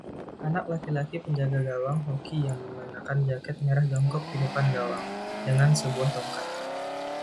Anak laki-laki penjaga gawang hoki yang mengenakan jaket merah jongkok di depan gawang, dengan sebuah tongkat.